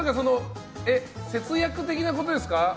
節約的なことですか？